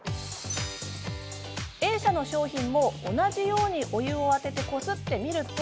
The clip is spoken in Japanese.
Ａ社の商品も同じようにお湯を当ててこすってみると。